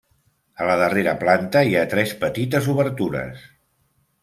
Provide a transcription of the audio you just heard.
A la darrera planta hi ha tres petites obertures.